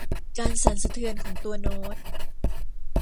การสั่นสะเทือนของตัวโน้ต